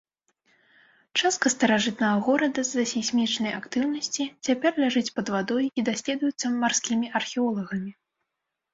Частка старажытнага горада з-за сейсмічнай актыўнасці цяпер ляжыць пад вадой і даследуецца марскімі археолагамі.